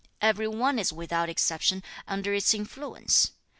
Every one is without exception under its influence.